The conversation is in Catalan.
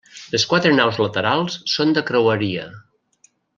Les quatre naus laterals són de creueria.